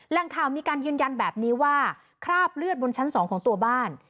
แหล่งข่าวมีการยืนยันแบบนี้ว่าคราบเลือดบนชั้น๒ของตัวบ้าน